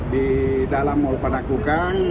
di dalam mal padak bukang